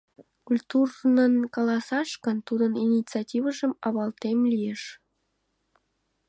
Культурнын каласаш гын, тудын инициативыжым авалтем лиеш.